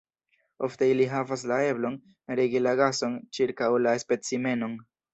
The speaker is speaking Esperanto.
Ofte ili havas la eblon regi la gason ĉirkaŭ la specimenon.